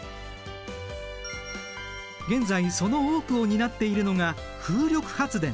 現在その多くを担っているのが風力発電。